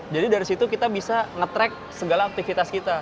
jadi dari situ kita bisa nge track segala aktivitas kita